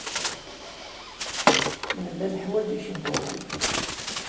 Nella neḥwaj ikebbuḍen.